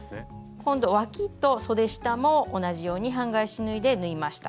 今度わきとそで下も同じように半返し縫いで縫いました。